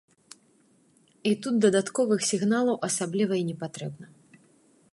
І тут дадатковых сігналаў асабліва і не патрэбна.